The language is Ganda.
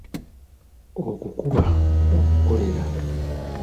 Okwo kuba okukolera.